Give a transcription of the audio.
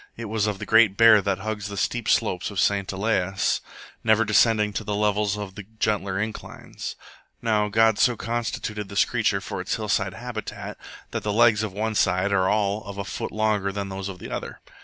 It was of the great bear that hugs the steep slopes of St Elias, never descending to the levels of the gentler inclines. Now God so constituted this creature for its hillside habitat that the legs of one side are all of a foot longer than those of the other.